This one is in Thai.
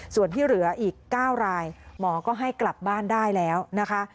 ส่วนที่เหลืออีก๙รายหมอก็ให้กลับบ้านได้แล้วนะคะ